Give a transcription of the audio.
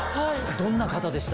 どんな方でした？